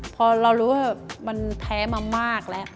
พอเรารู้ว่ามันแท้มามากแล้ว